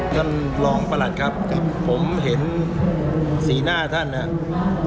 การลองประหลักครับผมเห็นสีหน้าท่านนะครับ